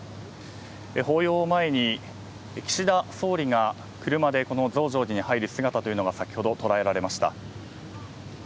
法要を前に、岸田総理が車でこの増上寺に入る姿というのが先ほど捉えられました。